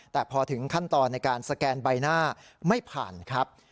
แต่พอถึงขั้นตอนในการสแกนใบหน้าไม่ผ่านครับ